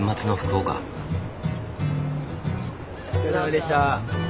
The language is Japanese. お疲れさまでした。